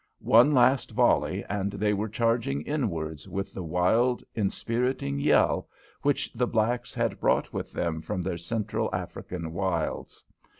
One last volley and they were charging inwards with the wild inspiriting yell which the blacks had brought with them from their central African wilds.